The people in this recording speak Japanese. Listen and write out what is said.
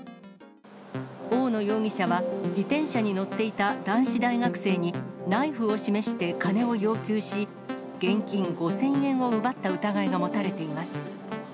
大野容疑者は、自転車に乗っていた男子大学生に、ナイフを示して金を要求し、現金５０００円を奪った疑いが持たれています。